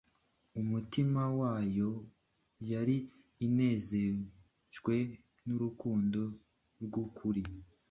Imitima yabo yari inezejwe n’urukundo rw’ukuri